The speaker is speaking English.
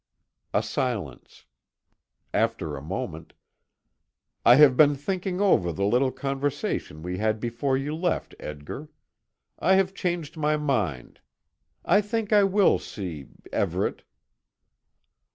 A silence. After a moment: "I have been thinking over the little conversation we had before you left, Edgar. I have changed my mind. I think I will see Everet."